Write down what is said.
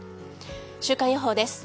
週間予報です。